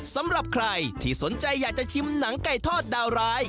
สำหรับใครที่สนใจอยากจะชิมหนังไก่ทอดดาวร้าย